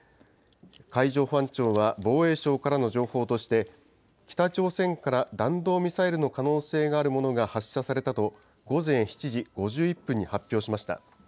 海上保安庁は防衛省からの情報として、北朝鮮から弾道ミサイルの可能性があるものが発射されたと、午前７時５１分に発表しました。